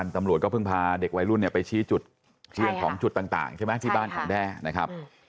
ตำรวจก็เพิ่งพาเด็กวัยรุ่นไปชี้จุดเรื่องของจุดต่างใช่ไหมที่บ้านของแด้นะครับ